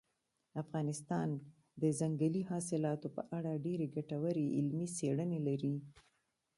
افغانستان د ځنګلي حاصلاتو په اړه ډېرې ګټورې علمي څېړنې لري.